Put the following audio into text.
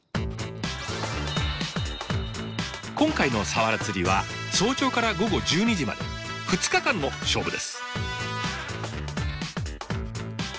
今回のサワラ釣りは早朝から午後１２時まで２日間の勝負です。